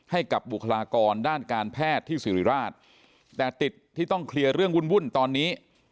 ให้กับบุคลากรด้านการแพทย์ที่สิริราชแต่ติดที่ต้องเคลียร์เรื่องวุ่นตอนนี้